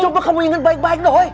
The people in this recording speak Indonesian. coba kamu inget baik baik doi